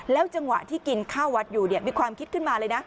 จังหวะที่กินข้าววัดอยู่มีความคิดขึ้นมาเลยนะ